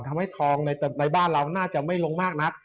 ทำให้ทองในบ้านเราน่าจะไม่ลงมากนัก